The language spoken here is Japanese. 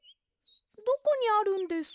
どこにあるんですか？